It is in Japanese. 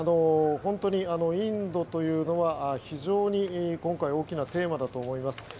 本当に、インドというのは非常に今回の大きなテーマだと思います。